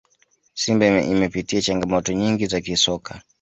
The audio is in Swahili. simba imepitia changamoto nyingi za kisoka